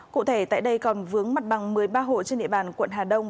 cụ thể tại đây còn vướng mặt bằng một mươi ba hộ trên địa bàn quận hà đông